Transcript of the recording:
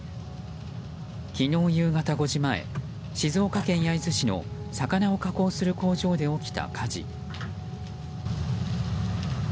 昨日夕方５時前静岡県焼津市の魚を加工する工場で起きた火事。